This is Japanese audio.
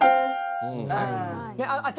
ああ！